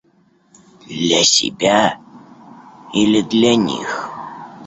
Для себя — или для них?